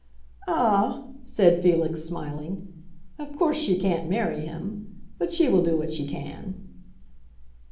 "Ah," said Felix, smiling, "of course she can't marry him. But she will do what she can."